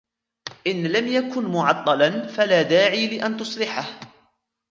إن لم يكن معطلا، فلا داعي لأن تصلحه.